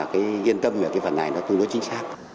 cái yên tâm về cái phần này nó tương đối chính xác